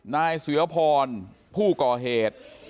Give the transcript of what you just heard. นายเสือพรผู้ก่อเหตุ